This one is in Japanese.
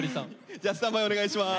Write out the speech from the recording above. じゃあスタンバイお願いします。